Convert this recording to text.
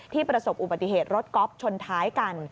ประสบอุบัติเหตุรถก๊อฟชนท้ายกัน